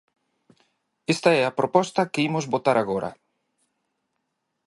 Esta é a proposta que imos votar agora.